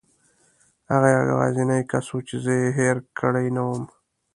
هغه یوازینی کس و چې زه یې هېره کړې نه وم.